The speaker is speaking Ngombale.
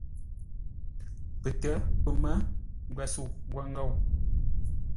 Pətə́, pəmə́, ngwəsəu, ngwəngou.